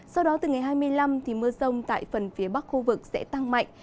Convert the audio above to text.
sau đó từ ngày hai mươi năm mưa rông tại phần phía bắc khu vực sẽ tăng mạnh